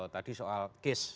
tadi soal kis